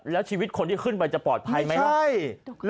แล้วชีวิตคนที่ขึ้นไปจะปลอดภัยไหมเหรอไม่ใช่